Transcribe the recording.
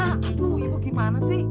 aduh ibu gimana sih